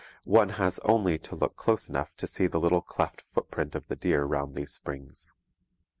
One has only to look close enough to see the little cleft footprint of the deer round these springs.